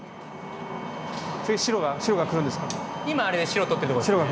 次白が白がくるんですか？